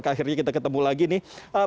akhirnya kita ketemu lagi nih